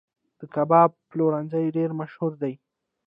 د کباب پلورنځي ډیر مشهور دي